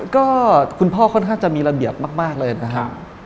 ก็คุณพ่อค่อนข้างจะมีระเบียบมากเลยนะครับ